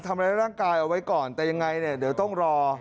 ทำร้ายร่างกายเอาไว้ก่อนแต่ยังไงเนี่ยเดี๋ยวต้องรอ